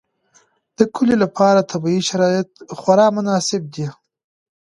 د کلیو لپاره طبیعي شرایط خورا مناسب دي.